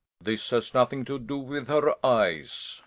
This has nothing to do with her eyes.